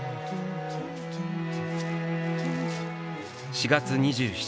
「４月２７日」